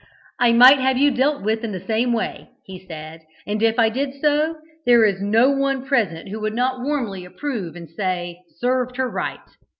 "I might have you dealt with in the same way," he said; "and if I did so, there is no one present who would not warmly approve and say, 'served her right.'